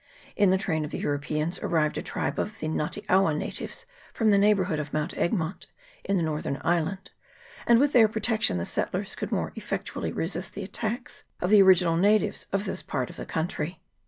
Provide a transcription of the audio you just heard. In the train of the Europeans arrived a tribe of the Ngate Awa natives from the neighbourhood of Mount Egmont, in the northern island, and with their protection the settlers could more effectually resist the attacks of the original natives of this part of the country.